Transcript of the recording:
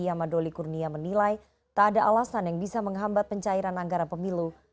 yama doli kurnia menilai tak ada alasan yang bisa menghambat pencairan anggaran pemilu